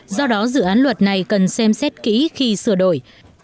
do đó dự án luật này cần xem xét kỹ khi sửa đổi